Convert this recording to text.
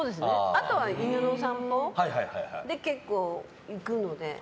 あとは犬の散歩に結構、行くので。